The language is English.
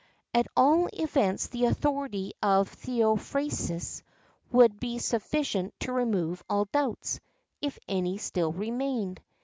At all events the authority of Theophrastus would be sufficient to remove all doubts, if any still remained.